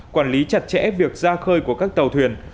quản lý chặt chẽ việc ra khơi của các tàu thuyền